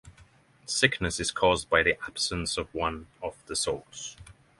Sickness is caused by the absence of one of the souls.